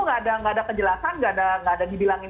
nggak ada kejelasan nggak ada dibilangin